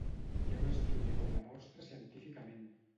Hi ha un estudi que ho demostra científicament.